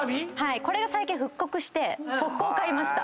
これが最近復刻して即行買いました。